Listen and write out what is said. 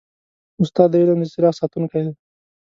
استاد د علم د څراغ ساتونکی دی.